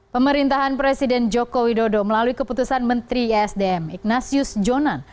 pemerintahan presiden joko widodo melalui keputusan menteri esdm ignatius jonan